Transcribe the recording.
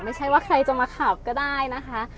ไม่ใช่ว่าใครจะมาข่าวก็ได้นะคะ